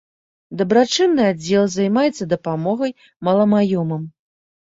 Дабрачынны аддзел займаецца дапамогай маламаёмным.